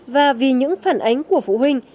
và vì những phản ánh của phụ huynh